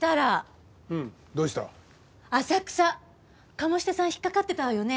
鴨志田さん引っかかってたわよね？